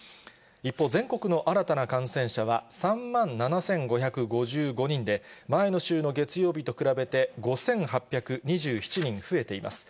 一方、全国の新たな感染者は３万７５５５人で、前の週の月曜日と比べて５８２７人増えています。